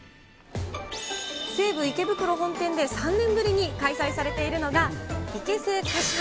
西武池袋本店で、３年ぶりに開催されているのが、イケセイ菓子博